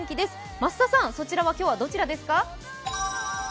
増田さん、そちらは今日はどちらですか？